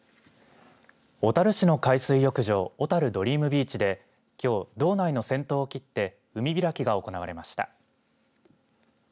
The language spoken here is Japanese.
小樽市の海水浴場おたるドリームビーチできょう、道内の先頭を切って海開きが行われました。